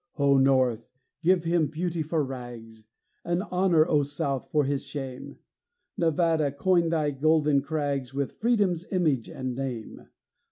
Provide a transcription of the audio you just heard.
O North! give him beauty for rags, And honor, O South! for his shame; Nevada! coin thy golden crags With Freedom's image and name.